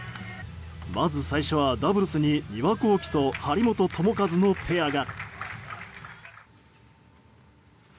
まず最初はダブルスに丹羽孝希と張本智和のペアが。